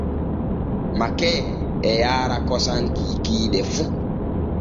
Makee e yaara kosam kiikiiɗe fu.